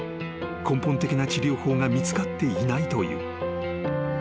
［根本的な治療法が見つかっていないという］